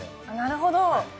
あっなるほど。